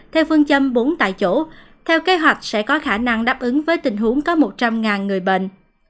theo phương châm bốn tại chỗ theo kế hoạch sẽ có khả năng đáp ứng với tình huống có một trăm linh người bệnh